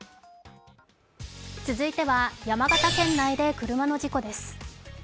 続いては山形県内で車の事故です。